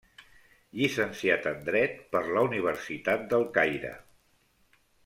Llicenciat en dret per la Universitat del Caire.